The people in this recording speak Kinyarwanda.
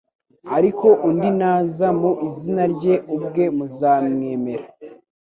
ariko undi naza mu izina rye ubwe muzamwemera.